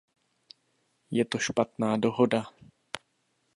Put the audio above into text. Je to špatná dohoda.